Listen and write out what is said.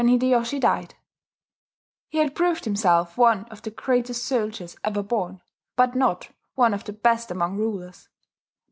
He had proved himself one of the greatest soldiers ever born, but not one of the best among rulers.